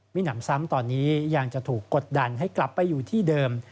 มีหนำซ้ำตอนนี้ยังจะถูกกดดันให้กลับไปอยู่ที่เดิม